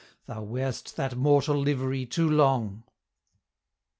Thou wear'st that mortal livery too long!'"